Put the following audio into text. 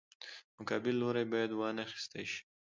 مقابل لوری باید وانخیستی شي.